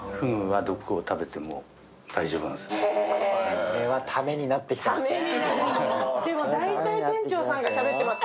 これは、ためになってきましたね。